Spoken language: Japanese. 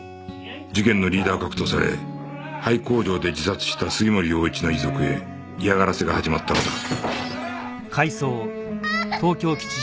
事件のリーダー格とされ廃工場で自殺した杉森陽一の遺族へ嫌がらせが始まったのだ